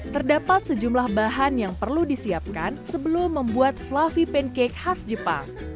terdapat sejumlah bahan yang perlu disiapkan sebelum membuat fluffy pancake khas jepang